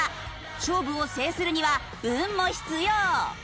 勝負を制するには運も必要。